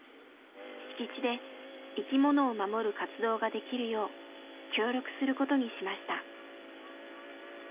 敷地で生きものを守る活動ができるよう協力することにしました。